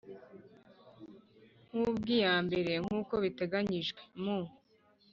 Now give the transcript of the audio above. Nk ubw iya mbere nkuko biteganyijwe mu